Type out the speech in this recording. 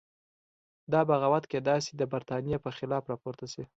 دا بغاوت کېدای شي د برتانیې په خلاف راپورته شي.